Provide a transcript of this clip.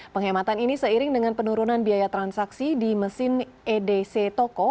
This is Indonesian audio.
penghematan ini seiring dengan penurunan biaya transaksi di mesin edc toko